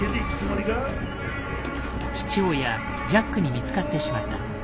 父親・ジャックに見つかってしまった。